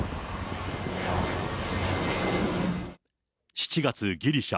７月、ギリシャ。